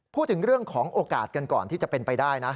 พูดถึงเรื่องของโอกาสกันก่อนที่จะเป็นไปได้นะ